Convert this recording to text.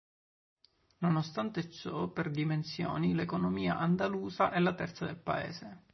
Nonostante ciò, per dimensioni l'economia andalusa è la terza del paese.